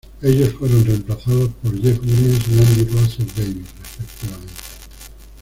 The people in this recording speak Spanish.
Ellos fueron reemplazados por Jeff Williams y Andy Rosser-Davies, respectivamente.